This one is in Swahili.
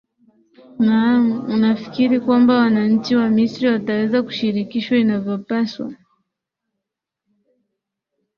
naam unafikiri kwamba wananchi wa misri wataweza kushirikishwa inavyopaswa